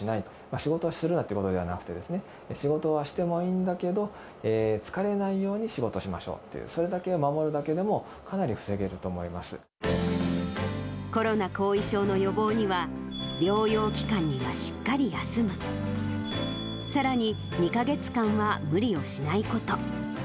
仕事はするなということではなくて、仕事はしてもいいんだけど、疲れないように仕事しましょうっていう、それだけを守るだけでも、コロナ後遺症の予防には、療養期間にはしっかり休む、さらに、２か月間は無理をしないこと。